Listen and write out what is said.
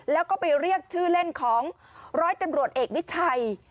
แล้วก็ไปเรียกชื่อเล่นของร้อยตำรวจเอกวิชัย